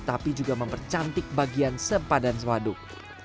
tapi juga mempercantik bagian sempadan waduk